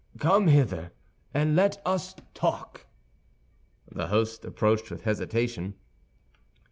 Come hither, and let us talk." The host approached with hesitation.